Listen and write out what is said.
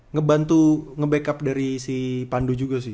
ngebantu ngebackup dari si pandu juga sih